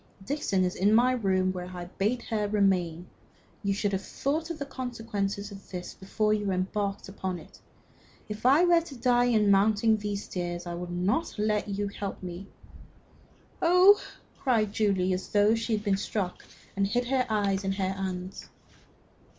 "Dixon is in my room, where I bade her remain. You should have thought of the consequences of this before you embarked upon it. If I were to die in mounting these stairs, I would not let you help me." "Oh!" cried Julie, as though she had been struck, and hid her eyes with her hand.